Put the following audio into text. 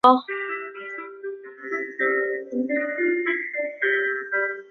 展览中心站是一个位于俄罗斯莫斯科东北行政区的铁路车站。